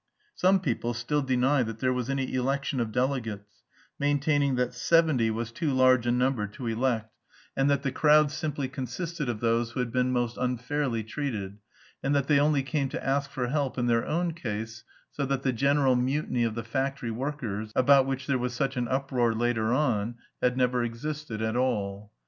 Some people still deny that there was any election of delegates, maintaining that seventy was too large a number to elect, and that the crowd simply consisted of those who had been most unfairly treated, and that they only came to ask for help in their own case, so that the general "mutiny" of the factory workers, about which there was such an uproar later on, had never existed at all.